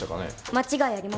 間違いありません。